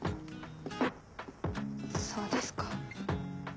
そうですか。